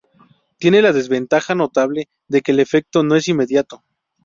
Tiene la desventaja notable de que el efecto no es inmediato.